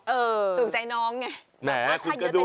เออถูกใจน้องไงถ้าเยอะกว่าเดี๋ยวแหน่คุณก็ด้วย